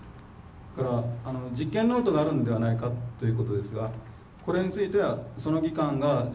それから実験ノートがあるんではないかということですがこれについてはその技官が実験ノートは作ってたと。